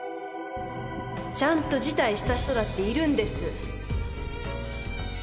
ちゃんと辞退した人だっているんです